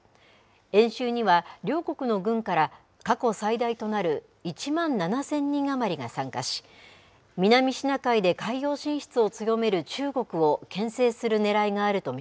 演習には、両国の軍から、過去最大となる１万７０００人余りが参加し、南シナ海で海洋進出を強める中国をけん制するねらいがあると見